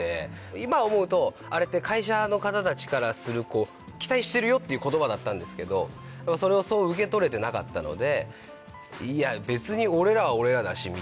今思うとあれって会社の方たちからすると期待してるよっていう言葉だったんですけどそれをそう受け取れてなかったので。